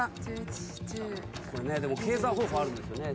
これねでも計算方法あるんですよね。